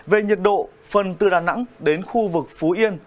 về nhiệt độ phần từ đà nẵng đến khu vực phú yên